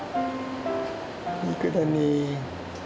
いい子だね。